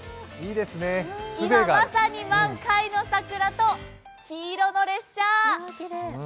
今、まさに満開の桜と黄色の列車。